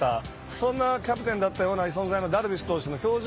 そんなキャプテンだったような存在のダルビッシュ投手の表情